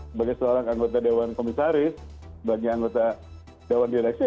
sebagai seorang anggota dewan komisaris sebagai anggota dewan direksi